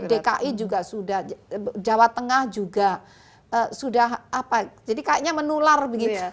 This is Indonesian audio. dki juga sudah jawa tengah juga sudah apa jadi kayaknya menular begitu